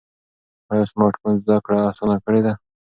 ایا سمارټ فون زده کړه اسانه کړې ده؟